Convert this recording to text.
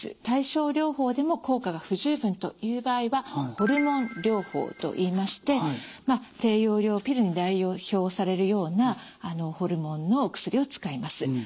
対症療法でも効果が不十分という場合はホルモン療法といいまして低用量ピルに代表されるようなホルモンの薬を使います。